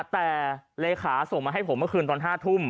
แต่เลขาส่งมาให้ผมเมื่อคืนตอน๕ทุ่ม